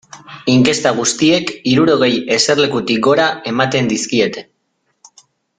Inkesta guztiek hirurogei eserlekutik gora ematen dizkiete.